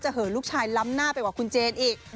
เหินลูกชายล้ำหน้าไปกว่าคุณเจนอีก